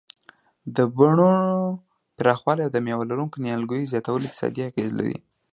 د بڼونو پراخوالی او د مېوه لرونکو نیالګیو زیاتول اقتصادي اغیز لري.